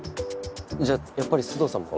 じゃあやっぱり須藤さんも。